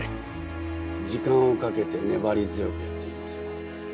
時間をかけて粘り強くやっていきますよ。